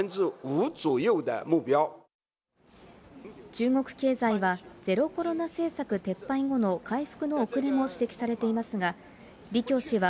中国経済はゼロコロナ政策撤廃後の回復の遅れも指摘されていますが、李強氏は、